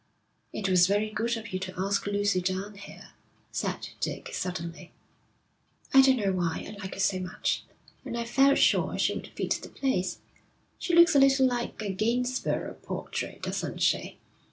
'It was very good of you to ask Lucy down here,' said Dick, suddenly. 'I don't know why. I like her so much. And I felt sure she would fit the place. She looks a little like a Gainsborough portrait, doesn't she?